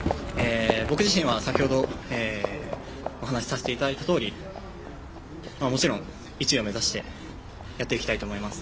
僕自身は先ほどお話しさせていただいたとおりもちろん、１位を目指してやっていきたいと思います。